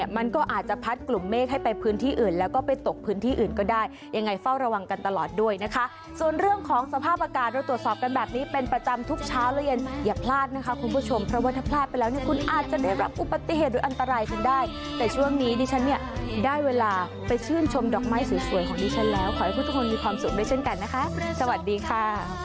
อย่าพลาดนะคะคุณผู้ชมเพราะว่าถ้าพลาดไปแล้วคุณอาจจะได้รับอุปติเหตุโดยอันตรายกันได้แต่ช่วงนี้ดิฉันเนี่ยได้เวลาไปชื่นชมดอกไม้สวยของดิฉันแล้วขอให้ทุกคนมีความสุขด้วยเช่นกันนะคะสวัสดีค่ะ